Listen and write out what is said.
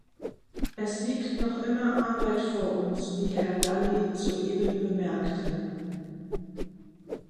Es liegt noch immer Arbeit vor uns, wie Herr Dalli soeben bemerkte.